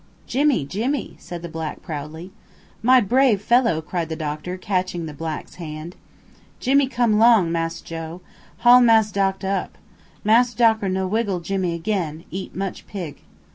"Jimmy Jimmy!" said the black proudly. "My brave fellow!" cried the doctor, catching the black's hand. "Jimmy come 'long Mass Joe. Haul Mass doctor up. Mass doctor no wiggle Jimmy 'gain, eat much pig."